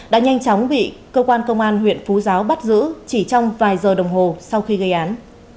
đã nhanh chóng bị cơ quan công an huyện phú giáo bắt giữ chỉ trong vài giờ đồng hồ sau khi gây án